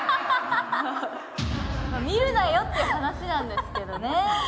見るなよって話なんですけどね